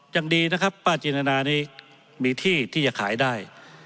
ยังดีนะครับป้าจินตนานี้มีที่ที่จะขายได้